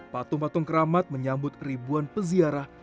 patung patung keramat menyambut ribuan peziarah